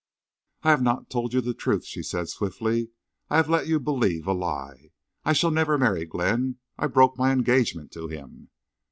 "I have not told you the truth," she said, swiftly. "I have let you believe a lie.... I shall never marry Glenn. I broke my engagement to him."